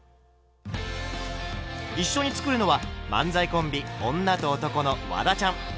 一緒に作るのは漫才コンビ「女と男」のワダちゃん。